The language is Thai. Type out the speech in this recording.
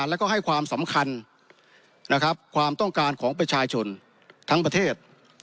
แล้วก็ให้ความสำคัญนะครับความต้องการของประชาชนทั้งประเทศ